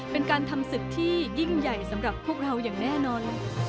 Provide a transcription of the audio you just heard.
เป็นการทำศึกที่ยิ่งใหญ่สำหรับพวกเราอย่างแน่นอน